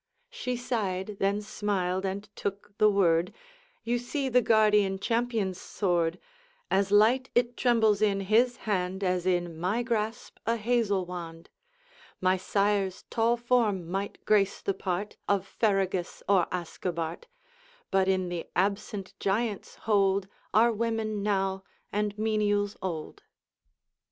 She sighed, then smiled and took the word: 'You see the guardian champion's sword; As light it trembles in his hand As in my grasp a hazel wand: My sire's tall form might grace the part Of Ferragus or Ascabart, But in the absent giant's hold Are women now, and menials old.'